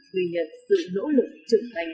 tùy nhận sự nỗ lực trưởng thành